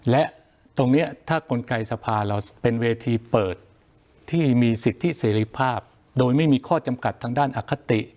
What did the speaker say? และตรงนี้ถ้ากลไกสภาเราเป็นเวทีเปิดที่มีสิทธิเสรีภาพโดยไม่มีข้อจำกัดทางด้านอคติ